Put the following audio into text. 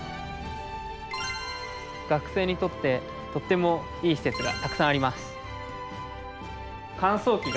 学生にとってとてもいい施設がたくさんあります。